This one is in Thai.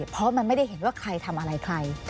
เพราะมันไม่ได้เห็นว่าใครทำอะไรใคร